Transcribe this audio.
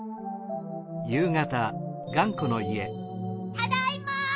・ただいま！